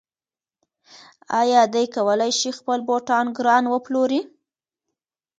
آیا دی کولی شي خپل بوټان ګران وپلوري؟